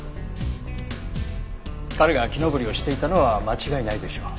彼が木登りをしていたのは間違いないでしょう。